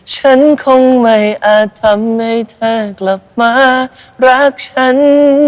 ฉันคงไม่อาจทำให้เธอกลับมารักฉัน